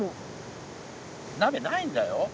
なべないんだよ？